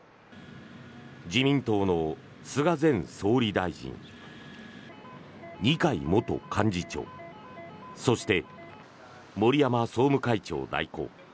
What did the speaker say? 自民党の菅前総理大臣二階元幹事長そして、森山総務会長代行。